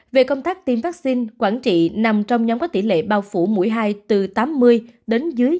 về công tác tiêm vaccine quảng trị nằm trong nhóm có tỷ lệ bao phủ mũi hai từ tám mươi đến dưới